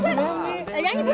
nih nyanyi murah